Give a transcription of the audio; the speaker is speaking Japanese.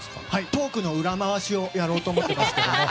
トークの裏回しをやろうと思ってますけど。